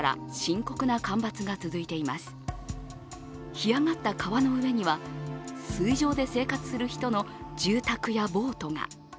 干上がった川の上には水上で生活する人の住宅やボートが。